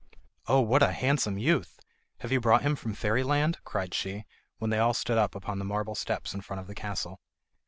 "Oh, what a handsome youth! Have you brought him from fairyland?" cried she, when they all stood upon the marble steps in front of the castle.